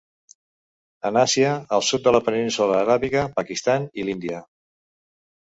En Àsia al sud de la Península Aràbiga, Pakistan i Índia.